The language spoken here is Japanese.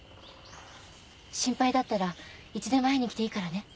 心配だったらいつでも会いにきていいからね。